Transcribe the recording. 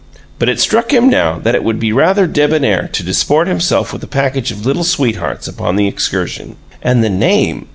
But it struck him now that it would be rather debonair to disport himself with a package of Little Sweethearts upon the excursion. And the name!